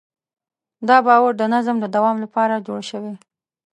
دا باور د نظم د دوام لپاره جوړ شوی.